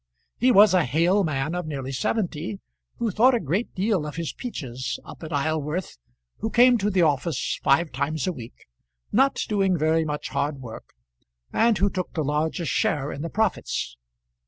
He was a hale man of nearly seventy, who thought a great deal of his peaches up at Isleworth, who came to the office five times a week not doing very much hard work, and who took the largest share in the profits.